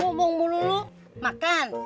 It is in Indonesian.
mau pak momon lo makan